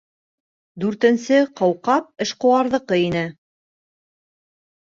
Дүртенсе ҡауҡаб эшҡыуарҙыҡы ине.